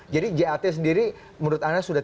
jadi jat sendiri menurut anda sudah